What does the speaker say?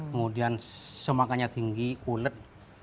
kemudian semangkanya tinggi kulit